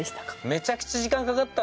めちゃくちゃ時間かかったんだよ。